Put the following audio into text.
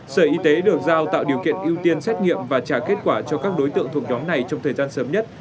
sở y tế được giao tạo điều kiện ưu tiên xét nghiệm và trả kết quả cho các đối tượng thuộc nhóm này trong thời gian sớm nhất